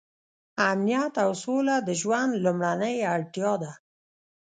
امنیت او سوله د ژوند لومړنۍ اړتیا ده.